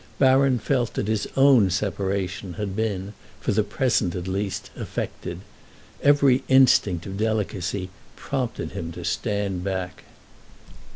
Baron felt that his own separation had been, for the present at least, effected; every instinct of delicacy prompted him to stand back.